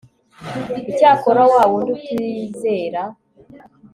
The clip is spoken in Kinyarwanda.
icyakora wa wundi utizera